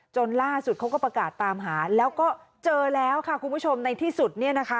ล่าสุดเขาก็ประกาศตามหาแล้วก็เจอแล้วค่ะคุณผู้ชมในที่สุดเนี่ยนะคะ